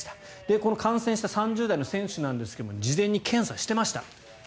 この感染した３０代の選手なんですけども事前に検査していました。